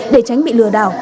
để tránh bị lừa đảo